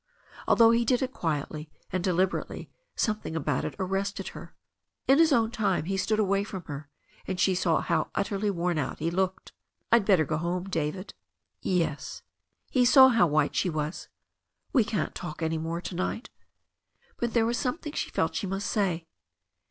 Although he did it quietly and deliberately something about it arrested her. In his own time he stood away from her, and she saw how utterly worn out he looked. I'd better go home, David." Tes." He saw how white she was. "We can't talk any more to night." But there was something she felt she must say.